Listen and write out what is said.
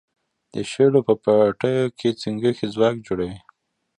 د شولو په پټیو کې چنگښې ځوږ جوړوي.